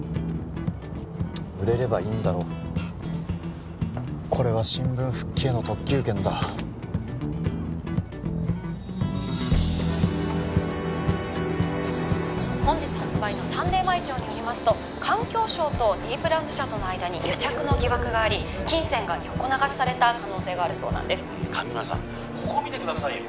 売れればいいんだろこれは新聞復帰への特急券だ本日発売のサンデー毎朝によりますと環境省とＤプランズ社との間に癒着の疑惑があり金銭が横流しされた可能性があるそうなんです上村さんここ見てくださいよ